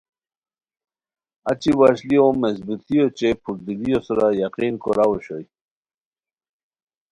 اچی وشلیو مضبوطی اوچے پھردلیو سورا یقین کوراؤ اوشوئے